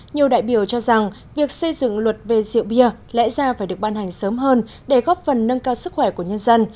nhiều đại biểu cho rằng việc xây dựng luật về rượu bia lẽ ra phải được ban hành sớm hơn để góp phần nâng cao sức khỏe của nhân dân